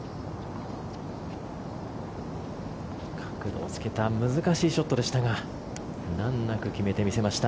角度をつけた難しいショットでしたが難なく決めてみせました。